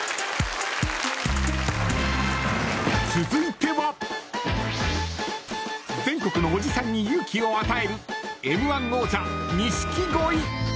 続いては全国のおじさんに勇気を与えるＭ‐１王者、錦鯉。